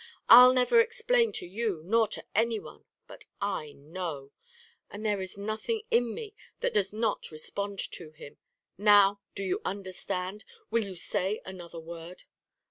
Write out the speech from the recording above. I'll never explain to you nor to any one, but I know. And there is nothing in me that does not respond to him. Now, do you understand? Will you say another word?"